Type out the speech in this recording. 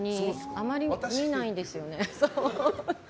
あまり見ないんですよね。